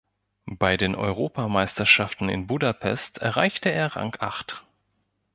Bei den Europameisterschaften in Budapest erreichte er Rang acht.